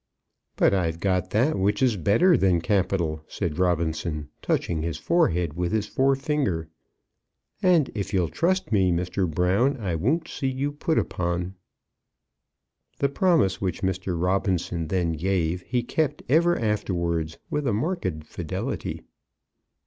"But I've got that which is better than capital," said Robinson, touching his forehead with his forefinger. "And if you'll trust me, Mr. Brown, I won't see you put upon." The promise which Mr. Robinson then gave he kept ever afterwards with a marked fidelity.